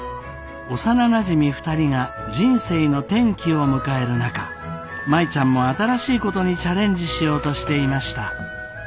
幼なじみ２人が人生の転機を迎える中舞ちゃんも新しいことにチャレンジしようとしていました。